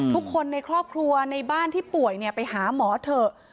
ทุกคนในครอบครัวในบ้านที่ป่วยไปหาหมอเถอะ